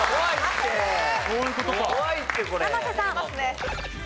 生瀬さん。